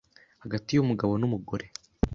hagati y’umugabo n’umugore